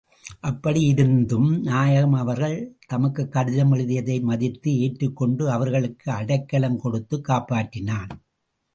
அப்படி இருந்தும் நாயகம் அவர்கள் தமக்குக் கடிதம் எழுதியதை மதித்து ஏற்றுக் கொண்டு, அவர்களுக்கு அடைக்கலங் கொடுத்துக் காப்பாற்றினான்.